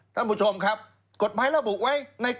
ท่านผู้ชมครับกฎหมายระบุไว้ใน